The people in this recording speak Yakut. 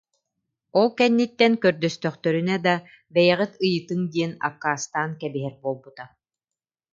Ол кэнниттэн көрдөстөхтөрүнэ да, бэйэҕит ыйытыҥ диэн аккаастаан кэбиһэр буолбута